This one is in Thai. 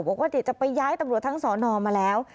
บอกว่าจะไปย้ายตำรวจทางสอนอ่อมาแล้ว